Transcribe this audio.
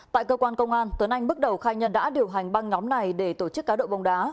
tại cơ quan công an tuấn anh bước đầu khai nhận đã điều hành băng nhóm này để tổ chức cá độ bóng đá